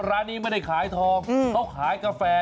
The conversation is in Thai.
ร้านนี้ไม่ได้ขายทองเขาขายกาแฟ